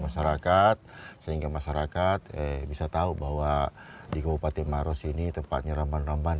masyarakat sehingga masyarakat eh bisa tahu bahwa di kabupaten maros ini tempatnya rambang rambang